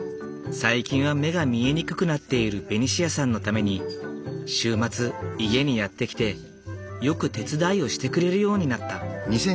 最近は目が見えにくくなっているベニシアさんのために週末家にやって来てよく手伝いをしてくれるようになった。